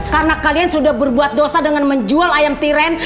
karena kalian sudah berbuat dosa dengan menjual ayam tiren